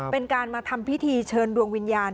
เป็นการมาทำพิธีเชิญดวงวิญญาณ